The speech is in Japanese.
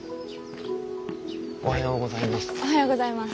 おはようございます。